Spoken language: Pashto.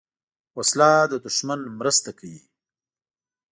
وسله د دوښمن مرسته کوي